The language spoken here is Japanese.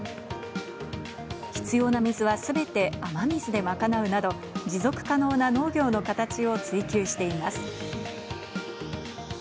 必要な水はすべて雨水で賄うなど、持続可能な農業の形を追求しています。